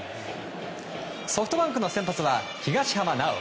ソフトバンクの先発は、東浜巨。